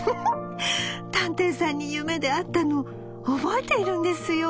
探偵さんに夢で会ったのを覚えているんですよ』」。